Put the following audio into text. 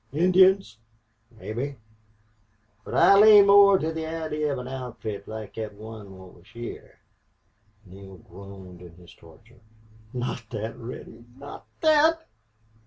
"Indians?" "Mebbe. But I lean more to the idee of an outfit like thet one what was heah." Neale groaned in his torture. "Not that, Reddy not that!...